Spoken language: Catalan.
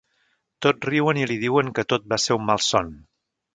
Tots riuen i li diuen que tot va ser un malson.